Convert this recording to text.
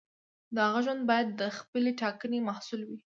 د هغه ژوند باید د خپلې ټاکنې محصول وي.